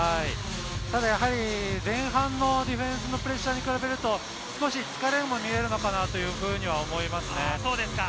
ただ、前半のディフェンスのプレッシャーに比べると、少し疲れも見られるのかなと思いますね。